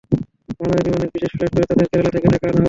বাংলাদেশ বিমানের বিশেষ ফ্লাইটে করে তাদের কেরালা থেকে ঢাকা আনা হবে।